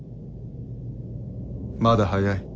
まだ早い。